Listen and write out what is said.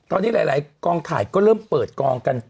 ตอนนี้หลายกองถ่ายก็เริ่มเปิดกองกัน